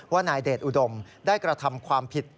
นายเดชอุดมได้กระทำความผิด